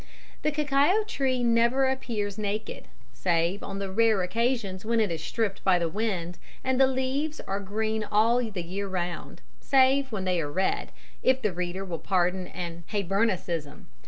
The cacao tree never appears naked, save on the rare occasions when it is stripped by the wind, and the leaves are green all the year round, save when they are red, if the reader will pardon an Hibernianism.